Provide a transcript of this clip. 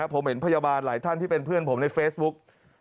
ผมเห็นพยาบาลหลายท่านที่เป็นเพื่อนผมในเฟซบุ๊ก